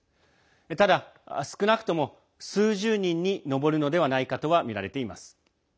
ただ、少なくとも数十人に上るのではないかとはみられています。